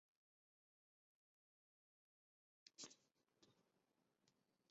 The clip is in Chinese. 极少数情况下龙卷风也可能从积云发起。